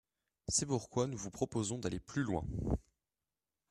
C’est pourquoi nous vous proposons d’aller plus loin.